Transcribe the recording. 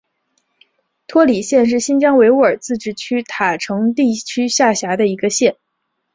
托里县是新疆维吾尔自治区塔城地区下辖的一个县。